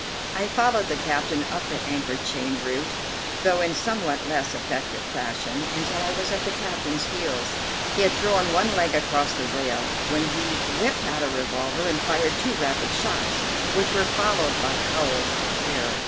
I followed the captain up the anchor chain route, though in somewhat less effective fashion, until I was at the captain's heels. He had thrown one leg across the rail, when he whipped out a revolver and fired two rapid shots, which were followed by howls of terror.